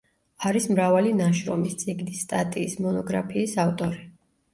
არის მრავალი ნაშრომის, წიგნის, სტატიის, მონოგრაფიის ავტორი.